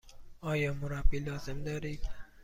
آیا مربی لازم دارید؟